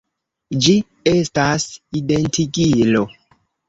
Ĝi estas identigilo.